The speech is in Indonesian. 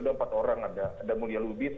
ada empat orang ada mulia lubis